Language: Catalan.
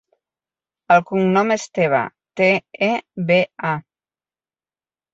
El cognom és Teba: te, e, be, a.